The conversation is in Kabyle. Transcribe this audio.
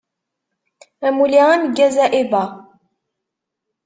Amulli ameggaz a Aiba!